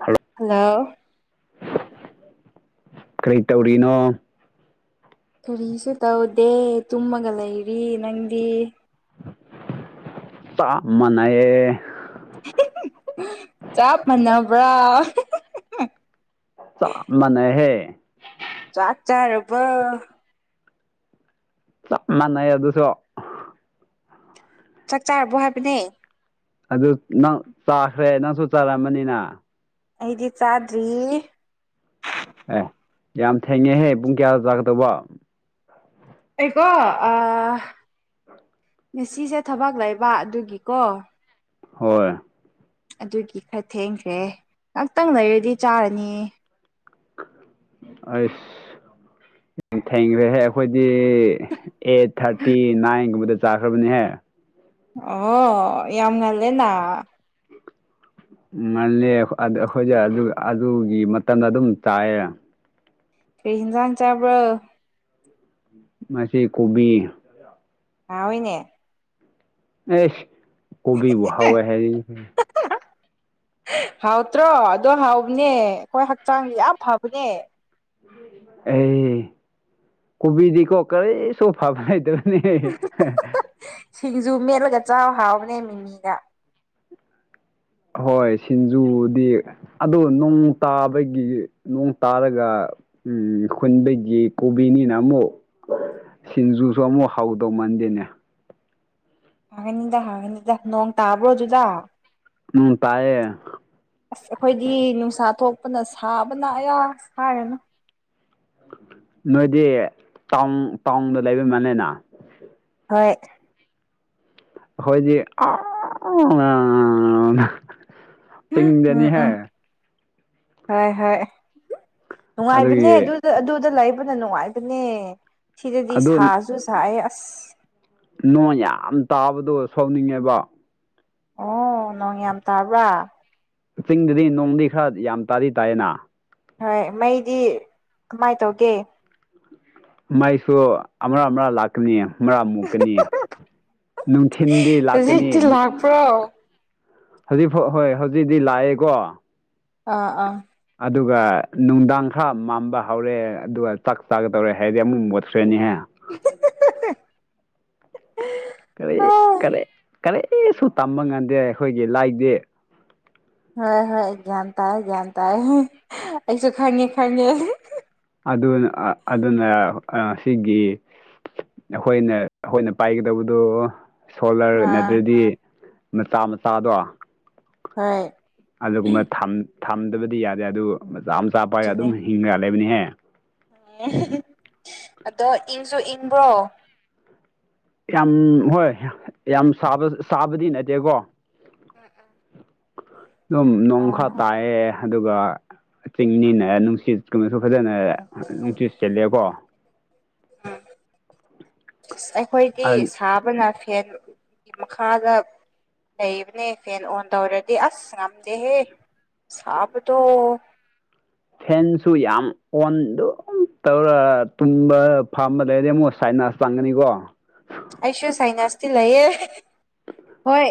Hello! Hello! ꯀꯔꯤ ꯇꯧꯔꯤꯅꯣ? ꯀꯔꯤꯁꯨ ꯇꯧꯗꯦ ꯇꯨꯝꯃꯒ ꯂꯩꯔꯤ ꯅꯪꯗꯤ ꯆꯥꯞ ꯃꯥꯅꯌꯦ ꯆꯥꯞ ꯃꯥꯟꯅꯕ꯭ꯔꯥ? ꯆꯞ ꯃꯥꯟꯅꯩꯍꯦ ꯆꯥꯛ ꯆꯥꯔꯕꯣ? ꯆꯞ ꯃꯥꯟꯅꯩ ꯑꯗꯨꯁꯨ꯫ ꯆꯥꯛ ꯆꯥꯔꯕꯣ ꯍꯥꯏꯕꯅꯦ꯫ ꯑꯗꯨ ꯅꯪ ꯆꯥꯛꯁꯦ ꯅꯪꯁꯨ ꯆꯥꯔꯝꯃꯅꯤꯅ? ꯑꯩꯗꯤ ꯆꯥꯗ꯭ꯔꯤ꯫ ꯑꯦ ꯌꯥꯝ ꯊꯦꯡꯉꯦꯍꯦ ꯄꯨꯡ ꯀꯌꯥꯗ ꯆꯥꯒꯗꯧꯕ? ꯑꯩꯀꯣ ꯉꯥꯁꯤꯁꯦ ꯊꯕꯛ ꯂꯩꯕ ꯑꯗꯨꯒꯤꯀꯣ꯫ ꯍꯣꯏ꯫ ꯑꯗꯨꯒꯤ ꯈꯔ ꯊꯦꯡꯈ꯭ꯔꯦ, ꯉꯥꯛꯇꯪ ꯂꯩꯔꯗꯤ ꯆꯥꯔꯅꯤ꯫ ꯑꯩꯁ꯫ ꯊꯦꯡꯈ꯭ꯔꯦꯍꯦ ꯑꯩꯈꯣꯏꯗꯤ ꯑꯩꯠ ꯊꯥꯔꯇꯤ ꯅꯥꯏꯟꯒꯨꯝꯕꯗ ꯆꯥꯈ꯭ꯔꯕꯅꯦꯍꯦ꯫ ꯑꯣ ꯌꯥꯝ ꯉꯜꯂꯦꯅ꯫ ꯎꯝ ꯉꯜꯂꯦ ꯑꯩꯈꯣꯏꯁꯦ ꯑꯗꯨ ꯑꯗꯨꯒꯤ ꯃꯇꯝꯗ ꯑꯗꯨꯝ ꯆꯥꯏꯌꯦ꯫ ꯀꯩ ꯍꯟꯖꯥꯡ ꯆꯥꯕ꯭ꯔꯣ? ꯉꯁꯤ ꯀꯣꯕꯤ꯫ ꯍꯥꯎꯋꯦꯅꯦ꯫ ꯑꯦꯁ ꯀꯣꯕꯤꯕꯨ ꯍꯥꯎꯋꯦ ꯍꯥꯏꯔꯤꯅꯦ꯫ ꯍꯥꯎꯇ꯭ꯔꯣ ꯑꯗꯣ ꯍꯥꯎꯕꯅꯦ ꯑꯩꯈꯣꯏ ꯍꯛꯆꯥꯡꯁ ꯌꯥꯝ ꯐꯕꯅꯦ꯫ ꯑꯦ ꯀꯨꯕꯤꯗꯤꯀꯣ ꯀꯔꯤꯁꯨ ꯐꯕ ꯂꯩꯇꯕꯅꯦꯍꯦ꯫ ꯁꯤꯡꯖꯨ ꯃꯦꯠꯂꯒ ꯆꯥꯎ ꯍꯥꯎꯕꯅꯦ ꯃꯤꯃꯤꯒ꯫ ꯍꯣꯏ ꯁꯤꯟꯖꯨꯕꯨꯗꯤ, ꯑꯗꯣ ꯅꯣꯡ ꯇꯥꯕꯒꯤ ꯅꯣꯡ ꯇꯥꯔꯒ, ꯎꯝ ꯈꯨꯟꯗꯒꯤ ꯀꯣꯕꯤꯅꯤꯅ ꯑꯃꯨꯛ ꯁꯤꯟꯖꯨꯁꯨ ꯑꯃꯨꯛ ꯍꯥꯎꯗꯧ ꯃꯟꯗꯦꯅꯦ꯫ ꯍꯥꯎꯒꯅꯤꯗ ꯍꯥꯎꯒꯅꯤꯗ ꯅꯣꯡ ꯇꯥꯕ꯭ꯔꯣ ꯑꯗꯨꯗ꯫ ꯎꯝ ꯇꯥꯌꯦ꯫ ꯑꯁ ꯑꯩꯈꯣꯏꯗꯤ ꯅꯨꯡꯁꯥ ꯊꯣꯛꯄꯅ ꯁꯥꯕꯅ ꯑꯌꯥ ꯍꯥꯏꯔꯅꯨ꯫ ꯅꯣꯏꯗꯤ ꯇꯥꯎꯟ ꯇꯥꯎꯟꯗ ꯂꯩꯕꯃꯜꯂꯦꯅ꯫ ꯍꯣꯏ꯫ ꯈꯣꯏꯗꯤ ꯑꯥ ꯎꯝ ꯎꯝ ꯆꯤꯡꯗꯅꯤꯍꯦ ꯎꯝ ꯍꯣꯏ ꯍꯣꯏ ꯅꯨꯡꯉꯥꯏꯕꯅꯦ ꯑꯗꯨꯒꯤ ꯑꯗꯨ ꯑꯗꯨꯗ ꯂꯩꯕꯅ ꯅꯨꯡꯉꯥꯏꯕꯅꯦ ꯁꯤꯗꯗꯤ ꯑꯗꯨ ꯁꯥꯁꯨ ꯁꯥꯏ ꯑꯁ꯫ ꯅꯣꯡ ꯌꯥꯝ ꯇꯥꯕꯗꯣ ꯁꯥꯎꯅꯤꯡꯉꯦꯕ꯫ ꯑꯣ ꯅꯣꯡ ꯌꯥꯝ ꯇꯥꯕ꯭ꯔꯥ? ꯆꯤꯡꯗꯗꯤ ꯅꯣꯡꯗꯤ ꯈꯔ ꯌꯥꯝ ꯇꯥꯗꯤ ꯇꯥꯏꯌꯦꯅ꯫ ꯍꯣꯏ ꯃꯩꯗꯤ ꯀꯃꯥꯏ ꯇꯧꯒꯦ? ꯃꯩꯁꯨ ꯑꯃꯔꯛ ꯑꯃꯔꯛ ꯂꯥꯛ ꯥꯀꯅꯤ ꯃꯔꯥ ꯃꯨꯛꯀꯅꯤ ꯅꯨꯡꯊꯤꯟꯗꯤ ꯂꯥꯛꯀꯅꯤ ꯅꯨ ꯄ꯭ꯔꯣ꯫ ꯍꯧꯖꯤꯛꯐꯥꯎ ꯍꯣꯏ ꯍꯧꯖꯤꯛꯇꯤ ꯂꯥꯛꯑꯦꯀꯣ꯫ ꯑꯥ ꯑꯥ꯫ ꯑꯗꯨꯒ ꯅꯨꯡꯗꯥꯡ ꯈꯔ ꯃꯝꯕ ꯍꯧꯔꯦ ꯑꯗꯨꯒ ꯆꯥꯛ ꯆꯥꯒꯗꯧꯔꯦ ꯍꯥꯏꯔꯗꯤ ꯑꯃꯨꯛ ꯃꯣꯠꯈ꯭ꯔꯦꯅꯤꯍꯦ꯫ [unintelligible] ꯀꯔꯤ? ꯀꯔꯤ ꯀꯔꯤꯁꯨ ꯇꯝꯕ ꯉꯝꯗꯦ ꯑꯩꯈꯣꯏꯒꯤ ꯂꯥꯏꯗꯤ꯫ ꯍꯣꯏ ꯍꯣꯏ ꯒ꯭ꯌꯥꯟ ꯇꯥꯏ ꯒ꯭ꯌꯥꯟ ꯇꯥꯏ ꯑꯩꯁꯨ ꯈꯪꯉꯦ ꯈꯪꯉꯦ꯫ ꯑꯗꯨꯅ ꯑ ꯑꯗꯨꯅ ꯑ ꯁꯤꯒꯤ ꯑꯍꯣꯏꯅ ꯑꯍꯣꯏꯅ ꯄꯥꯏꯒꯗꯧꯕꯗꯣ ꯁꯣꯂꯔ ꯑꯥ ꯅꯠꯇ꯭ꯔꯗꯤ ꯃꯆꯥ ꯃꯆꯥꯗꯣ ꯍꯣꯏ ꯑꯗꯨꯒꯨꯝꯕ ꯊꯝ ꯊꯝꯗꯕꯗꯤ ꯌꯥꯗꯦ ꯑꯗꯨ ꯃꯆꯥ ꯃꯆꯥ ꯄꯥꯏ ꯑꯗꯨꯅꯦ ꯑꯗꯨꯝ ꯍꯤꯡꯒꯥ ꯂꯩꯕꯅꯤꯍꯦ ꯑꯗꯣ ꯏꯪꯁꯨ ꯏꯪꯕ꯭ꯔꯣ? ꯌꯥꯝ ꯍꯣꯏ ꯌꯥꯝ ꯁꯥꯕ ꯁꯥꯕꯗꯤ ꯅꯠꯇꯦꯀꯣ꯫ ꯗꯨꯝ ꯑꯣ ꯅꯣꯡ ꯈꯥ ꯎꯝ ꯇꯥꯏꯌꯦ ꯑꯗꯨꯒ ꯆꯤꯡꯅꯤꯅ ꯅꯨꯡꯁꯤꯠꯀꯨꯝꯕꯁꯨ ꯐꯖꯅ ꯅꯨꯡꯁꯤꯠ ꯁꯦꯂꯦꯀꯣ꯫ ꯑꯁ ꯑꯩꯈꯣꯏꯗꯤ ꯁꯥꯕꯅ ꯐꯦꯟ ꯃꯈꯥꯗ ꯂꯩꯕꯅꯦ ꯐꯦꯟ ꯑꯣꯟ ꯇꯧꯔꯗꯤ ꯑꯁ ꯉꯝꯗꯦꯍꯦ ꯁꯥꯕꯗꯣ ꯐꯦꯟꯁꯨ ꯌꯥꯝ ꯑꯣꯟ ꯑꯗꯨꯝ ꯇꯧꯔ ꯇꯨꯝꯕ ꯐꯥꯝꯕ ꯂꯩꯔꯗꯤ ꯑꯃꯨꯛ ꯁꯥꯏꯅꯁ ꯆꯪꯒꯅꯤꯀꯣ ꯑꯩꯁꯨ ꯁꯥꯏꯅꯥꯁꯇꯤ ꯂꯩꯌꯦ ꯍꯣꯏ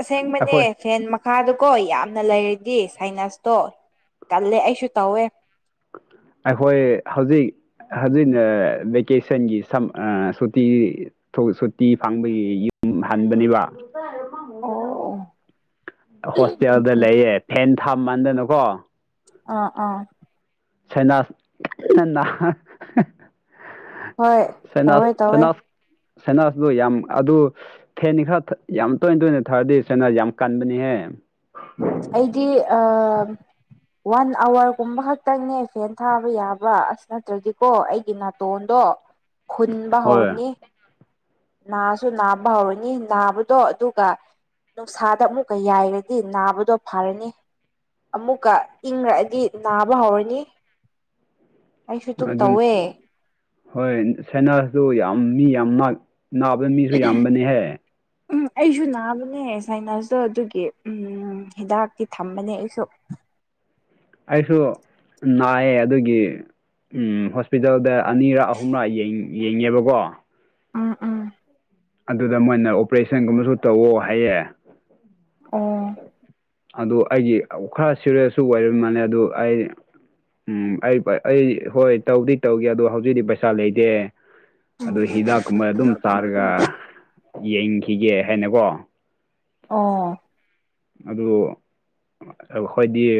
ꯑꯁꯦꯡꯕꯅꯦ ꯑꯩꯈꯣꯏ ꯐꯦꯟ ꯃꯈꯥꯗꯀꯣ ꯌꯥꯝꯅ ꯂꯩꯔꯗꯤ ꯁꯥꯏꯅꯁꯇꯣ ꯀꯜꯂꯦ ꯑꯩꯁꯨ ꯇꯧꯋꯦ꯫ ꯑꯩꯈꯣꯏ ꯍꯧꯖꯤꯛ ꯍꯧꯖꯤꯛꯅ ꯚꯦꯀꯦꯁꯟꯒꯤ ꯁꯝ ꯑ ꯁꯨꯇꯤ ꯊꯨ ꯁꯨꯇꯤ ꯐꯪꯕꯒꯤ ꯌꯨꯝ ꯍꯟꯕꯅꯦꯕ ꯑꯣ ꯍꯣꯁꯇꯦꯜꯗ ꯎꯝ ꯂꯩꯌꯦ ꯐꯦꯟ ꯊꯝꯃꯥꯟꯗꯅꯀꯣ ꯑꯥ ꯑꯥ ꯁꯅꯥꯁ ꯀꯟꯅ ꯅ ꯍꯣꯏ ꯁꯅꯥꯖ ꯇꯧꯋꯦ ꯇꯧꯋꯦ ꯁꯅꯥꯁ ꯁꯅꯥꯁꯗꯣ ꯌꯥꯝ ꯑꯗꯨ ꯐꯦꯟꯗꯤ ꯈꯔ ꯌꯥꯝ ꯇꯣꯏ ꯇꯣꯏꯅ ꯊꯥꯔꯗꯤ ꯁꯥꯅꯁ ꯌꯥꯝ ꯀꯟꯕꯅꯤꯍꯦ ꯑꯩꯗꯤ ꯑ ꯋꯥꯟ ꯑꯋꯥꯔꯒꯨꯝꯕ ꯈꯛꯇꯪꯅꯦ ꯐꯦꯟ ꯊꯥꯕ ꯌꯥꯕ ꯑꯁ ꯅꯠꯇ꯭ꯔꯗꯤꯀꯣ ꯑꯩꯒꯤ ꯅꯥꯇꯣꯟꯗꯣ ꯎ ꯈꯨꯟꯕ ꯍꯧꯔꯅꯤ ꯅꯥꯁꯨ ꯅꯥꯕ ꯍꯧꯔꯅꯤ ꯅꯥꯕꯗꯣ ꯑꯗꯨꯒ ꯅꯨꯡꯁꯥꯗ ꯑꯃꯨꯛꯀ ꯌꯥꯏꯔꯗꯤ ꯅꯥꯕ ꯗꯣ ꯐꯔꯅꯤ ꯑꯃꯨꯛꯀ ꯏꯪꯉꯛꯑꯗꯤ ꯅꯥꯕ ꯍꯧꯔꯅꯤ ꯑꯩꯁꯨ ꯑꯗꯨꯝ ꯑꯗꯨꯅ ꯇꯧꯋꯦ ꯍꯣꯏ ꯁꯥꯏꯅꯥꯁ ꯌꯥꯝ ꯃꯤ ꯌꯥꯝ ꯃꯛ ꯅꯥꯕ ꯃꯤꯁꯨ ꯌꯥꯝꯕꯅꯦꯍꯦ ꯎꯝ ꯑꯩꯁꯨ ꯅꯥꯕꯅꯦ ꯁꯥꯏꯅꯥꯁꯇꯣ ꯑꯗꯨꯒꯤ ꯎꯝ ꯍꯤꯗꯥꯛꯇꯤ ꯊꯝꯕꯅꯦ ꯑꯩꯁꯨ ꯑꯩꯁꯨ ꯅꯥꯏꯌꯦ ꯑꯗꯨꯒꯤ ꯎꯝ ꯍꯣꯁ ꯄꯤꯗꯜꯗ ꯑꯅꯤꯔꯛ ꯑꯍꯨꯝꯔꯛ ꯌꯦꯡ ꯌꯦꯡꯉꯦꯕꯀꯣ ꯎꯝ ꯎꯝ ꯑꯗꯨꯗ ꯃꯣꯏꯅ ꯑꯣꯄꯔꯦꯁꯟꯒꯨꯝꯕꯁꯨ ꯇꯧꯑꯣ ꯍꯥꯏꯌꯦ ꯑꯣ ꯑꯗꯨ ꯑꯩꯒꯤ ꯈꯔ ꯁꯤꯔꯤꯁꯁꯨ ꯑꯣꯏꯕ ꯃꯥꯜꯂꯦ ꯑꯗꯨ ꯑꯩ ꯎꯝ ꯑꯩ ꯑꯩ ꯍꯣꯏ ꯇꯧꯗꯤ ꯇꯧꯒꯦ ꯑꯗꯣ ꯍꯧꯖꯤꯛꯇꯤ ꯄꯩꯁꯥ ꯂꯩꯇꯦ꯫ ꯑꯗꯨ ꯍꯤꯗꯥꯛꯀꯨꯝꯕ ꯑꯗꯨꯝ ꯆꯥꯔꯒ ꯌꯦꯡꯈꯤꯒꯦ ꯍꯥꯏꯅꯀꯣ ꯑꯣ ꯑꯗꯨ ꯑꯈꯣꯏꯗꯤ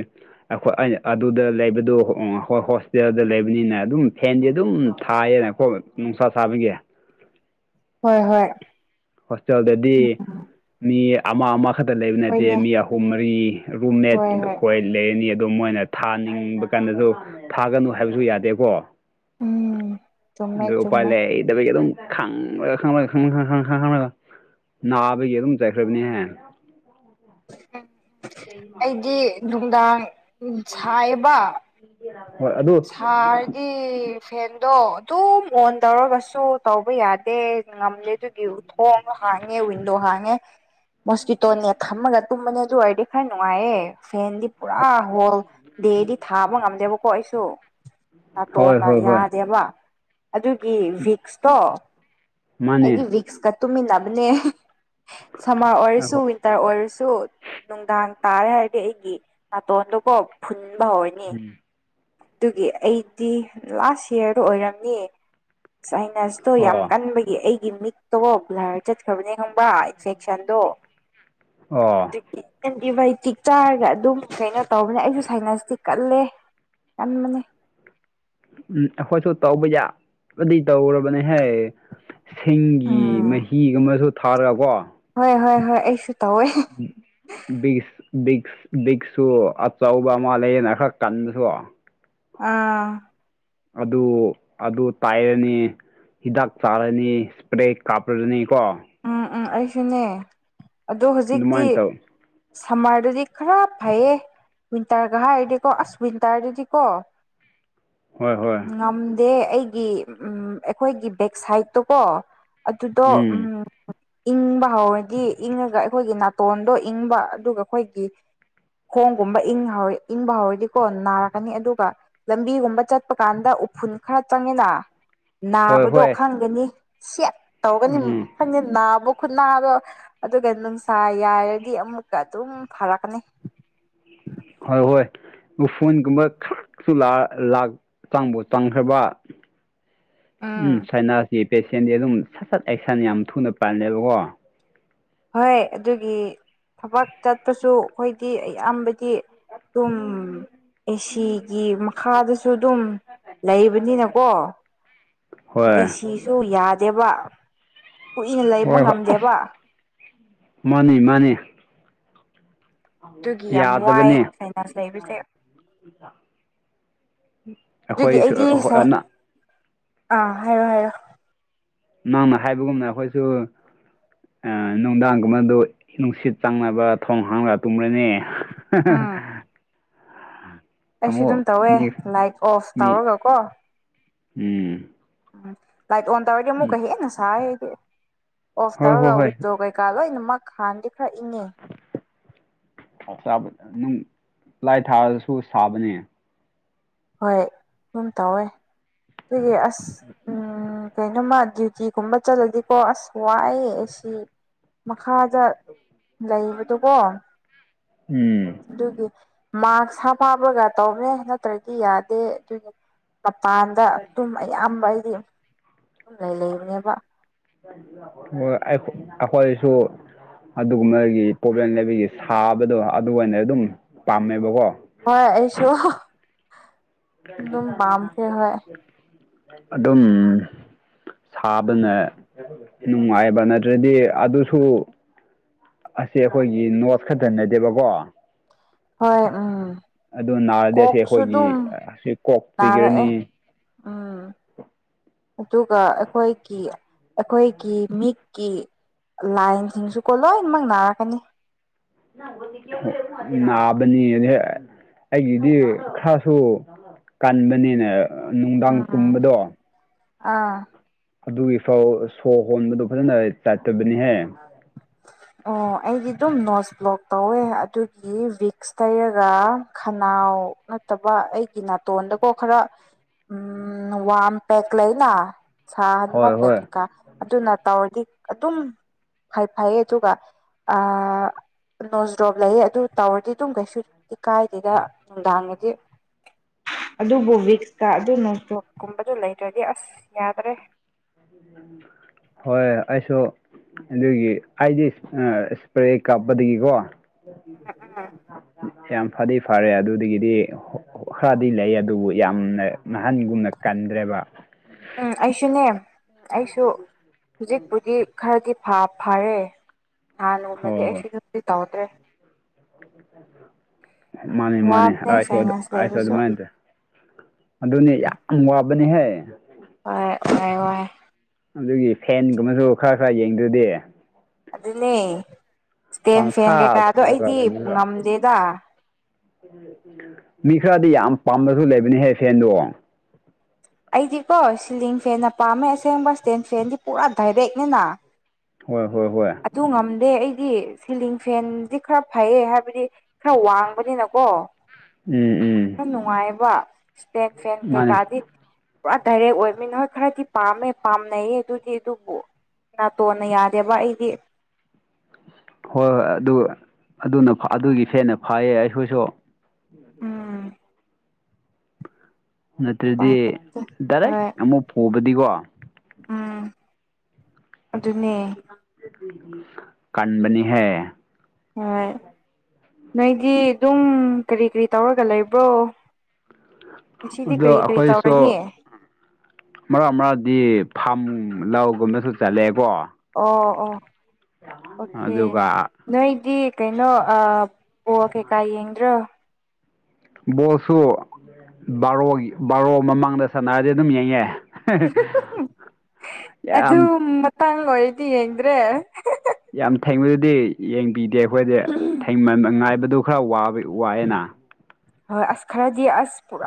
ꯑꯩꯈꯣꯏ ꯑꯩꯅ ꯑꯗꯨꯗ ꯂꯩꯕꯗꯣ ꯍꯣ ꯍꯣꯁꯇꯦꯜꯗ ꯂꯩꯕꯅꯤꯅ ꯑꯗꯨꯝ ꯐꯦꯟꯗꯤ ꯑꯗꯨꯝ ꯊꯥꯏꯌꯦꯅ [unintelligible] ꯅꯨꯡꯁꯥ ꯁꯥꯕꯒꯤ ꯍꯣꯏ ꯍꯣꯏ ꯍꯣꯁꯇꯦꯜꯗꯗꯤ ꯃꯤ ꯑꯃ ꯑꯃ ꯈꯛꯇ ꯂꯩꯕ ꯅꯠꯇꯦ ꯍꯣꯏꯅꯦ ꯃꯤ ꯑꯍꯨꯝ ꯃꯔꯤ ꯔꯨꯝꯃꯦꯠ ꯍꯣꯏ ꯍꯣꯏ ꯑꯩꯈꯣꯏ ꯂꯩꯔꯅꯤ ꯑꯗꯣ ꯃꯣꯏꯅ ꯊꯥꯅꯤꯡꯕ ꯀꯥꯟꯗꯁꯨ ꯊꯥꯒꯅꯨ ꯍꯥꯏꯕꯁꯨ ꯌꯥꯗꯦꯀꯣ ꯎꯝ ꯆꯨꯝꯃꯦ ꯑꯗꯨ ꯎꯄꯥꯏ ꯆꯨꯝꯃꯦ ꯂꯩꯗꯕꯒꯤ ꯑꯗꯨꯝ ꯈꯥꯡꯕꯗꯥ ꯈꯥꯡꯕꯗꯥ ꯈꯡ ꯈꯡ ꯈꯡ ꯈꯡ ꯈꯡ ꯈꯡ [unintelligible] ꯅꯥꯕꯒꯤ ꯑꯗꯨꯝ ꯆꯥꯠꯈ꯭ꯔꯕꯅꯦ ꯑꯩꯗꯤ ꯅꯨꯡꯗꯥꯡ ꯁꯥꯏꯌꯦꯕ ꯍꯣꯏ ꯑꯗꯨ ꯁꯥꯔꯗꯤ ꯐꯦꯟꯗꯣ ꯑꯗꯨꯝ ꯑꯣꯟ ꯇꯧꯔꯒꯁꯨ ꯇꯧꯕ ꯌꯥꯗꯦ ꯉꯝꯗꯦ ꯑꯗꯨꯒꯤ ꯊꯣꯡ ꯍꯥꯡꯉꯦ ꯋꯤꯟꯗꯣ ꯍꯥꯡꯉꯦ ꯃꯣꯁꯀꯤꯇꯣ ꯅꯦꯠ ꯊꯝꯃꯒ ꯇꯨꯝꯕꯅꯦ ꯑꯗꯨ ꯑꯣꯏꯔꯗꯤ ꯈꯔ ꯅꯨꯡꯉꯥꯏꯌꯦ ꯐꯦꯟꯗꯤ ꯄꯨꯔꯥ ꯍꯣꯜ ꯗꯦꯗꯤ ꯊꯥꯕ ꯉꯝꯗꯦꯕ ꯑꯣ ꯑꯩꯁꯨ ꯍꯣꯏ ꯅꯇꯣꯟꯅ ꯍꯣꯏ ꯍꯣꯏ ꯌꯥꯗꯦꯕ ꯑꯗꯨꯒꯤ ꯋꯤꯛꯁꯇꯣ ꯃꯥꯅꯦ ꯑꯩꯗꯤ ꯋꯤꯛꯁꯀ ꯇꯨꯝꯃꯤꯟꯅꯕꯅꯦ ꯁꯝꯃꯥꯔ ꯑꯣꯏꯔꯁꯨ ꯑꯩꯈꯣꯏ ꯋꯤꯟ ꯇꯔ ꯑꯣꯏꯔꯁꯨ ꯅꯨꯡꯗꯥꯡ ꯇꯥꯔꯦ ꯍꯥꯏꯔꯗꯤ ꯑꯩꯒꯤ ꯅꯥꯇꯣꯟꯗꯨꯀꯣ ꯐꯨꯟꯕ ꯍꯧꯋꯦ ꯎꯝ ꯑꯗꯨꯒꯤ ꯑꯩꯗꯤ ꯂꯥꯁ ꯌꯥꯔꯗ ꯑꯣꯏꯔꯝꯅꯤ ꯁꯥꯢꯅꯁ ꯇꯣ ꯌꯥꯝ ꯑꯣ ꯀꯟꯕꯒꯤ ꯑꯩꯒꯤ ꯃꯤꯠꯇꯣ ꯕꯂꯥꯔ ꯆꯠꯈ꯭ꯔꯕꯅꯦ ꯈꯪꯕ꯭ꯔꯥ ꯏꯟꯐꯦꯛ ꯁꯟꯗꯣ ꯑꯣ ꯑꯦꯟꯇꯤꯕꯥꯌꯣꯇꯤꯛ ꯆꯥꯔꯒ ꯑꯗꯨꯝ ꯀꯩꯅꯣ ꯇꯧꯕꯅꯤ ꯑꯩꯁꯨ ꯁꯥꯏꯅꯥꯁꯇꯤ ꯀꯜꯂꯦ ꯇꯟꯕꯅꯦ ꯎꯝ ꯑꯩꯈꯣꯏꯁꯨ ꯇꯧꯕ ꯌꯥꯕꯗꯤ ꯇꯧꯔꯕꯅꯤ ꯍꯦ ꯁꯤꯡꯒꯤ ꯎꯝ ꯃꯍꯤꯒꯨꯝꯕꯗꯨ ꯊꯥꯔꯒꯣ ꯍꯣꯏ ꯍꯣꯏ ꯍꯣꯏ ꯑꯩꯁꯨ ꯇꯧꯋꯦ ꯕꯤꯁ ꯕꯤꯛ ꯕꯤꯛꯁꯨ ꯑꯆꯧꯕ ꯑꯃ ꯂꯩꯌꯦꯅ ꯈꯔ ꯀꯟꯕꯁꯨ ꯑꯥ ꯑꯗꯨ ꯑꯗꯨ ꯇꯥꯏꯔꯅꯤ ꯍꯤꯗꯥꯛ ꯆꯥꯔꯅꯤ ꯏꯁꯄ꯭ꯔꯦ ꯀꯥꯞꯂꯒꯅꯤꯀꯣ ꯎꯝ ꯎꯝ ꯑꯩꯁꯨꯅꯦ ꯑꯗꯣ ꯍꯧꯖꯤꯛꯇꯤ ꯑꯗꯨꯃꯥꯏꯅ ꯇꯧ ꯁꯨꯝꯃꯗꯗꯤ ꯈꯔ ꯐꯩꯌꯦ ꯋꯤꯟꯇꯔꯒ ꯍꯥꯏꯔꯗꯤꯀꯣ ꯑꯁ ꯋꯤꯟꯇꯔꯗꯗꯤ ꯀꯣ ꯍꯣꯏ ꯍꯣꯏ ꯉꯝꯗꯦ ꯑꯩꯒꯤ ꯎꯝ ꯑꯩꯈꯣꯏꯒꯤ ꯕꯦꯛ ꯁꯥꯏꯠꯇꯣꯀꯣ ꯑꯗꯨꯗꯣ ꯎꯝ ꯏꯪꯕ ꯍꯧꯔꯗꯤ ꯏꯪꯉꯒ ꯑꯩꯈꯣꯏꯒꯤ ꯅꯥꯇꯣꯟꯗꯣ ꯏꯪꯕ ꯑꯗꯨꯒ ꯑꯩꯈꯣꯏꯒꯤ ꯈꯣꯡꯒꯨꯝꯕ ꯏꯪ ꯍꯧ ꯏꯪꯕ ꯍꯧꯔꯗꯤꯀꯣ ꯅꯥꯔꯛꯀꯅꯤ ꯑꯗꯨꯒ ꯂꯝꯕꯤꯒꯨꯝꯕ ꯆꯠꯄ ꯀꯥꯟꯗ ꯎꯐꯨꯜ ꯈꯔ ꯆꯪꯉꯦꯅ ꯍꯣꯏ ꯅꯥꯕꯗꯣ ꯍꯣꯏ ꯈꯪꯒꯅꯤ ꯁꯦꯠ ꯇꯧꯒꯅꯤ ꯎꯝ ꯈꯪꯗꯦ ꯅꯥꯕ ꯈꯨꯠꯅꯥꯗꯣ ꯑꯗꯨꯒ ꯅꯨꯡꯁꯥ ꯌꯥꯏꯔꯗꯤ ꯑꯃꯨꯛꯀ ꯑꯗꯨꯝ ꯐꯔꯛꯀꯅꯤ ꯍꯣꯏ ꯍꯣꯏ ꯎꯐꯨꯟꯒꯨꯝꯕ ꯈꯔꯛꯁꯨ ꯂꯥ ꯂꯥꯛ ꯆꯥꯡꯕꯨ ꯆꯥꯡꯈ꯭ꯔꯕ ꯎꯝ ꯁꯥꯏꯅꯥꯁꯀꯤ ꯄꯦꯁꯦꯟꯗꯤ ꯑꯗꯨꯝ ꯁꯠ ꯁꯠ ꯑꯦꯛꯁꯟ ꯌꯥꯝ ꯊꯨꯅ ꯄꯥꯜꯂꯦꯕꯀꯣ ꯍꯣꯏ ꯑꯗꯨꯒꯤ ꯊꯕꯛ ꯆꯠꯄꯁꯨ ꯑꯩꯈꯣꯏꯗꯤ ꯑꯌꯥꯝꯕꯗꯤ ꯇꯨꯝ ꯑꯦ ꯁꯤꯒꯤ ꯃꯈꯥꯗꯁꯨ ꯑꯗꯨꯝ ꯂꯩꯕꯅꯤꯅꯀꯣ ꯍꯣꯏ ꯑꯦ ꯁꯤꯁꯨ ꯌꯥꯗꯦꯕ ꯀꯨꯏꯅ ꯂꯩꯕ ꯍꯣꯏ ꯍꯣꯏ ꯉꯝꯗꯦꯕ ꯑꯁ ꯃꯥꯅꯤ ꯃꯥꯅꯤ ꯑꯗꯨꯒꯤ ꯌꯥꯝ ꯌꯥꯗꯕꯅꯦ ꯋꯥꯏ ꯁꯥꯏꯅꯥꯁ ꯂꯩꯕꯁꯦ ꯑꯗꯨꯒꯤ ꯑꯩꯈꯣꯏꯁꯨ ꯑꯩꯗꯤ ꯁꯥꯏ ꯑꯥꯅ ꯑꯥ ꯍꯥꯏꯌꯣ ꯍꯥꯏꯌꯣ ꯅꯪꯅ ꯍꯥꯏꯕꯒꯨꯝꯅ ꯑꯈꯣꯏꯁꯨ ꯑꯥ ꯅꯨꯡꯗꯥꯡꯒꯨꯝꯕꯗꯨ ꯅꯨꯡꯁꯤꯠ ꯆꯪꯅꯕ ꯊꯣꯡ ꯍꯥꯡꯂꯒ ꯇꯨꯝꯔꯦꯅꯦ ꯎꯝ [unintelligible] ꯑꯩꯁꯨ ꯑꯗꯨꯝ ꯇꯧꯋꯦ ꯃꯤ ꯂꯥꯏꯠ ꯑꯣꯐ ꯃꯤ ꯇꯧꯔꯒ ꯀꯣ ꯎꯝ ꯎꯝ ꯂꯥꯏꯠ ꯑꯣꯟ ꯇꯧꯔꯗꯤ ꯑꯃꯨꯛꯀ ꯍꯦꯟꯅ ꯁꯥꯌꯦ ꯑꯩꯗꯤ ꯑꯣꯐ ꯍꯣꯏ ꯍꯣꯏ ꯇꯧꯔꯒ ꯍꯣꯏ ꯋꯤꯟꯗꯣ ꯀꯩꯀꯥ ꯂꯣꯏꯅꯃꯛ ꯍꯥꯟꯅꯗꯤ ꯈꯔ ꯏꯪꯉꯤ [unintelligible] ꯅꯨꯡ ꯂꯥꯏ ꯊꯥꯜꯔꯁꯨ ꯁꯥꯕꯅꯤ ꯍꯣꯏ ꯑꯗꯨꯝ ꯇꯧꯋꯦ ꯑꯗꯨꯒꯤ ꯑꯁ ꯎꯝ ꯀꯩꯅꯣꯃ ꯗ꯭ꯌꯨꯇꯤꯒꯨꯝꯕ ꯆꯠꯂꯗꯤꯀꯣ ꯑꯁ ꯋꯥꯑꯦ ꯑꯁꯤ ꯃꯈꯥꯗ ꯂꯩꯕꯗꯨꯀꯣ ꯎꯝ ꯑꯗꯨꯒꯤ ꯃꯥꯛꯁ ꯍꯥꯞ ꯍꯥꯞꯔꯒ ꯇꯧꯕꯅꯦ ꯅꯠꯇ꯭ꯔꯗꯤ ꯌꯥꯗꯦ ꯑꯗꯨꯒꯤ ꯃꯄꯥꯟꯗ ꯑꯗꯨꯝ ꯑꯌꯥꯝꯕ ꯑꯩꯗꯤ ꯑꯗꯨꯨꯝ ꯂꯩ ꯂꯩꯕꯅꯦꯕ ꯑꯣ ꯑꯁ ꯑꯈꯣꯏꯁꯨ ꯑꯗꯨꯒꯨꯝꯕꯒꯤ ꯄ꯭ꯔꯣꯕ꯭ꯂꯦꯝ ꯂꯩꯕꯒꯤ ꯁꯥꯕꯗꯣ ꯑꯗꯨ ꯑꯣꯏꯅ ꯑꯗꯨꯝ ꯄꯥꯝꯃꯦꯕꯀꯣ ꯍꯣꯏ ꯑꯩꯁꯨ ꯑꯗꯨꯝ ꯄꯥꯝꯈ꯭ꯔꯦ ꯍꯣꯏ ꯑꯗꯨꯝ ꯁꯥꯕꯅ ꯅꯨꯡꯉꯥꯏꯕ ꯅꯠꯇ꯭ꯔꯗꯤ ꯑꯗꯨꯁꯨ ꯑꯁꯤ ꯑꯩꯈꯣꯏꯒꯤ ꯅꯣꯠ ꯈꯛꯇ ꯅꯠꯗꯦꯕꯀꯣ ꯍꯣꯏ ꯎꯝ ꯑꯗꯨ ꯅꯥꯔꯗꯤ ꯑꯁꯤ ꯀꯣꯛꯁꯨ ꯑꯩꯈꯣꯏꯒꯤ ꯑꯗꯨꯝ ꯑꯁꯤ ꯀꯣꯛ ꯅꯥꯔꯛꯑꯦ ꯆꯤꯛꯀꯅꯤ ꯎꯝ ꯑꯗꯨꯒ ꯑꯩꯈꯣꯏꯒꯤ ꯑꯩꯈꯣꯏꯒꯤ ꯃꯤꯠꯀꯤ ꯂꯥꯏꯟꯁꯤꯡꯁꯨꯀꯣ ꯂꯣꯏꯅꯃꯛ ꯅꯥꯔꯛꯀꯅꯤ ꯅꯥꯕꯅꯤ ꯑꯩꯒꯤꯗꯤ ꯈꯔꯁꯨ ꯀꯟꯕꯅꯤꯅꯦ ꯅꯨꯡꯗꯥꯡ ꯎꯝ ꯇꯨꯝꯕꯗꯣ ꯑꯥ ꯑꯗꯨꯒꯤ ꯐꯥꯎ ꯁꯣꯔ ꯍꯣꯟꯕꯗꯨ ꯐꯖꯅ ꯆꯥꯠꯇꯕꯅꯤꯍꯦ [inaudible] ꯑꯣ ꯑꯩꯗꯤ ꯑꯗꯨꯝ ꯅꯣꯠꯁ ꯕ꯭ꯂꯣꯛ ꯇꯧꯋꯦ ꯑꯗꯨꯒꯤ ꯚꯤꯛꯁ ꯇꯩꯔꯒ ꯈꯅꯥꯎ ꯑꯇꯣꯞꯄ ꯑꯩꯒꯤ ꯅꯥꯇꯣꯟꯗ ꯀꯣ ꯈꯔ ꯎꯝ ꯋꯥꯝꯃ ꯄꯦꯛ ꯂꯩꯅ ꯁꯥꯍꯟꯕ ꯍꯣꯏ ꯍꯣꯏ ꯄꯦꯛꯀ ꯑꯗꯨꯅ ꯇꯧꯔꯗꯤ ꯑꯗꯨꯝ ꯐꯩ ꯐꯩꯌꯦ ꯑꯗꯨꯒ ꯑꯥ ꯅꯣꯖ꯭ꯔꯣꯞ ꯂꯩꯌꯦ ꯑꯗꯨ ꯇꯧꯔꯗꯤ ꯑꯗꯨꯝ ꯀꯩꯁꯨ ꯀꯥꯏꯗꯦꯗ ꯅꯨꯡꯗꯥꯡꯗꯗꯤ ꯑꯗꯨꯕꯨ ꯚꯤꯛꯁꯇ ꯑꯗꯨ ꯅꯣꯡꯗ꯭ꯔꯣꯞ ꯀꯨꯝꯕꯗꯨ ꯂꯩꯗ꯭ꯔꯗꯤ ꯑꯁ ꯌꯥꯗ꯭ꯔꯦ ꯍꯣꯏ ꯑꯩꯁꯨ ꯑꯗꯨꯒꯤ ꯍꯥꯏꯗꯤ ꯏꯁꯄ꯭ꯔꯦ ꯀꯥꯞꯄꯗꯒꯤꯀꯣ ꯎꯝ ꯌꯥꯝ ꯐꯗꯤ ꯐꯔꯦ ꯑꯗꯨꯗꯒꯤꯗꯤ ꯈꯔꯗꯤ ꯂꯩ ꯑꯗꯨꯕꯨ ꯌꯥꯝꯅ ꯅꯥꯍꯟꯒꯨꯝꯅ ꯀꯟꯒ꯭ꯔꯦꯕ ꯎꯝ ꯑꯩꯁꯨꯅꯦ ꯑꯩꯁꯨ ꯍꯨꯖꯤꯛꯄꯨꯗꯤ ꯈꯔꯗꯤ ꯐꯥ ꯐꯥꯔꯦ ꯅꯍꯥꯟꯒꯨꯝꯅꯗꯤ ꯍꯣꯏ ꯍꯣꯏ ꯑꯩꯁꯨꯗꯨꯗꯤ ꯇꯧꯗ꯭ꯔꯦ ꯃꯥꯅꯦ ꯃꯥꯅꯦ ꯋꯥꯕꯅꯦ ꯑꯩꯁꯨ ꯑꯗ ꯁꯥꯏꯅꯁ ꯑꯩꯁꯨ ꯂꯩꯕꯁꯨ ꯑꯗꯨꯃꯥꯏ ꯑꯗꯨꯅꯦ ꯌꯥꯝ ꯋꯥꯕꯅꯦꯍꯦ ꯍꯣꯏ ꯋꯥꯏ ꯋꯥꯏ ꯑꯗꯨꯒꯤ ꯐꯦꯟꯒꯨꯝꯕꯁꯨ ꯈꯔ ꯈꯔ ꯌꯦꯡꯗ꯭ꯔꯗꯤ ꯑꯗꯨꯅꯦ ꯏꯁꯇꯦꯟ ꯐꯦꯟ ꯄꯪꯊꯥ ꯀꯩꯀꯥꯗꯣ ꯊꯥꯔꯒ ꯑꯩꯗꯤ ꯂꯩꯕꯅꯦꯕ ꯉꯝꯗꯦꯗ ꯃꯤ ꯈꯔꯗꯤ ꯌꯥꯝ ꯄꯥꯝꯕꯁꯨ ꯂꯩꯕꯅꯦꯍꯦ ꯐꯦꯟꯗꯣ ꯑꯩꯗꯤꯀꯣ ꯁꯤꯂꯤꯡ ꯐꯦꯟꯅ ꯄꯥꯝꯃꯦ ꯑꯁꯦꯡꯕ ꯏꯁꯇꯦꯟ ꯐꯦꯟꯗꯤ ꯄꯨꯔꯥ ꯗꯥꯏꯔꯦꯛꯅꯤꯅ ꯍꯣꯏ ꯍꯣꯏ ꯍꯣꯏ ꯑꯗꯨ ꯉꯝꯗꯦ ꯑꯩꯗꯤ ꯁꯤꯂꯤꯡ ꯐꯦꯟꯗꯤ ꯈꯔ ꯐꯩꯌꯦ ꯍꯥꯏꯕꯗꯤ ꯈꯔ ꯋꯥꯡꯕꯅꯤꯅꯀꯣ ꯎꯝ ꯎꯝ ꯅꯨꯡꯉꯥꯏꯌꯦꯕ ꯏꯁꯇꯦꯟ ꯐꯦꯟ ꯃꯥꯅꯦ ꯀꯩꯀꯥꯗꯤ ꯄꯨꯔꯥ ꯗꯥꯏꯔꯦꯛ ꯑꯣꯏꯕꯅꯤꯅ ꯍꯣꯏ ꯈꯔꯗꯤ ꯄꯥꯝꯃꯦ ꯄꯥꯝꯅꯩꯌꯦ ꯑꯗꯨꯗꯤ ꯑꯗꯨꯕꯨ ꯅꯥꯇꯣꯟꯅ ꯌꯥꯗꯦꯕ ꯑꯩꯒꯤ ꯍꯣꯏ ꯍꯣꯏ ꯑꯗꯨ ꯑꯗꯨꯅ ꯑꯗꯨꯒꯤ ꯐꯦꯟꯅ ꯐꯩꯌꯦ ꯑꯩꯈꯣꯏꯁꯨ ꯎꯝ ꯅꯠꯇ꯭ꯔꯗꯤ ꯗꯥꯏꯔꯦꯛ ꯍꯣꯏ ꯑꯃꯨꯛ ꯐꯨꯕꯗꯤꯀꯣ ꯎꯝ ꯑꯗꯨꯅꯦ ꯀꯟꯕꯅꯤꯍꯦ ꯍꯣꯏ ꯅꯣꯏꯗꯤ ꯑꯗꯨꯝ ꯀꯔꯤ ꯀꯔꯤ ꯇꯧꯔꯒ ꯂꯩꯕ꯭ꯔꯣ ꯉꯁꯤꯗꯤ ꯑꯗꯣ ꯀꯔꯤ ꯀꯔꯤ ꯑꯩꯈꯣꯏꯁꯨ ꯇꯧꯔꯅꯤ ꯃꯔꯛ ꯃꯔꯛꯗꯤ ꯐꯥꯔꯝ ꯂꯧꯒꯨꯝꯕꯁꯨ ꯆꯠꯂꯦꯀꯣ ꯑꯣ ꯑꯣ ꯑꯣꯀꯦ ꯑꯗꯨꯒ ꯅꯣꯏꯗꯤ ꯀꯩꯅꯣ ꯑ ꯕꯣꯜ ꯀꯩ ꯀꯥ ꯌꯦꯡꯗꯔꯣ ꯕꯣꯜꯁꯨ ꯕꯥꯔꯣ ꯕꯥꯔꯣ ꯃꯃꯥꯡꯗ ꯁꯥꯟꯅꯔꯗꯤ ꯑꯗꯨꯝ ꯌꯦꯡꯉꯦ ꯌꯥꯝ ꯑꯗꯨꯝ ꯃꯇꯥꯡ ꯑꯣꯏꯔꯗꯤ ꯌꯦꯡꯗ꯭ꯔꯦ ꯌꯥꯝ ꯊꯦꯡꯂꯗꯤ ꯌꯦꯡꯕꯤꯗꯦ ꯑꯩꯈꯣꯏꯗꯤ ꯊꯦꯡꯃꯝ ꯉꯥꯏꯕꯗꯨ ꯈꯔꯕ ꯋꯥꯑꯦꯅ ꯍꯣꯏ ꯑꯁ ꯈꯔꯗꯤ ꯑꯁ ꯄꯨꯔ